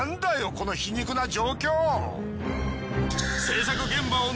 この皮肉な状況！